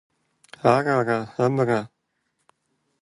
Ар ара, амыра?